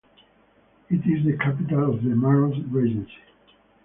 It is the capital of the Maros Regency.